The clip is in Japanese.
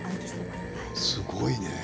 すごいね。